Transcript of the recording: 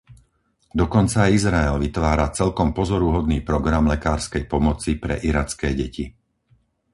Dokonca aj Izrael vytvára celkom pozoruhodný program lekárskej pomoci pre iracké deti.